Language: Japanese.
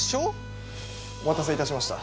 お待たせいたしました。